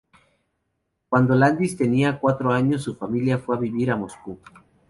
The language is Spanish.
Cuando Landis tenía cuatro años su familia fue a vivir a Moscú.